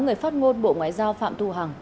người phát ngôn bộ ngoại giao phạm thu hằng